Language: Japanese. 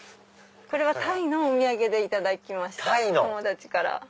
これはタイのお土産で頂きました友達から。